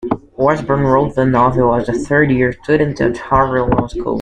Osborn wrote the novel as a third-year student at Harvard Law School.